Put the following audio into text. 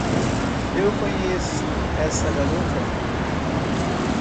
Eu conheço essa garota!